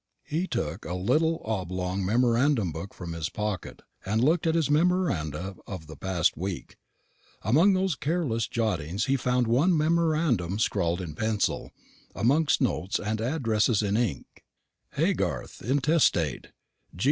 He took a little oblong memorandum book from his pocket, and looked at his memoranda of the past week. Among those careless jottings he found one memorandum scrawled in pencil, amongst notes and addresses in ink, "_Haygarth intestate.